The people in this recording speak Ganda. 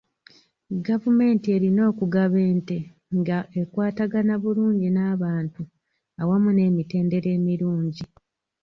Gavumenti erina okugaba ente nga ekwatagana bulungi n'abantu awamu n'emitendera emirungi .